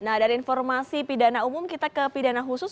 nah dari informasi pidana umum kita ke pidana khusus